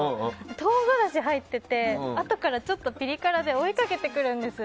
トウガラシ入っててあとからちょっとピリ辛で追いかけてくるんです。